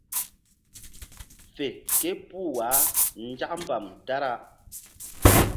Fe képuh wah nzak mbam dara.